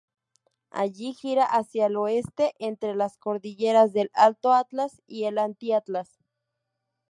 Allí gira hacia el oeste, entre las cordilleras del Alto Atlas y el Anti-Atlas.